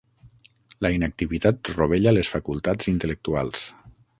La inactivitat rovella les facultats intel·lectuals.